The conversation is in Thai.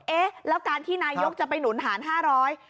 เอ๊ะแล้วการที่นายกจะไปหนุนหารห้าร้อย